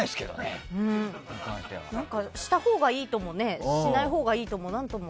したほうがいいともしないほうがいいとも、何とも。